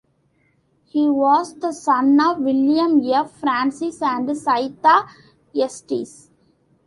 He was the son of William F. Francis and Scytha Estes.